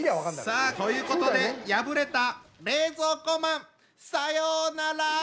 さあということで敗れた冷蔵庫マンさようなら！